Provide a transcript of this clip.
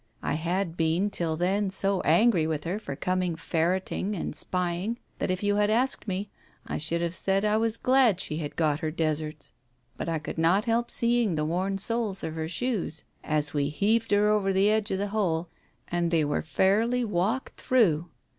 I had been till then so angry with her for coming ferreting and spying, that if you had asked me, I should have said I was glad she had got her deserts. But I could not help seeing the worn soles of her shoes as we heaved her over the edge of the hole, and they were fairly walked through.